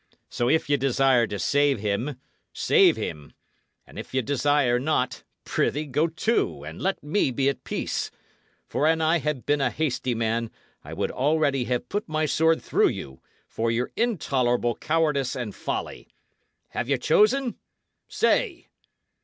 "So if ye desire to save him, save him; and if ye desire not, prithee, go to, and let me be at peace! For an I had been a hasty man, I would already have put my sword through you, for your intolerable cowardice and folly. Have ye chosen? Say!"